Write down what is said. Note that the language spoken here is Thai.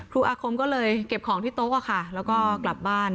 อาคมก็เลยเก็บของที่โต๊ะค่ะแล้วก็กลับบ้าน